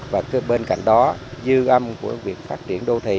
và bên cạnh đó dư âm của việc phát triển đô thị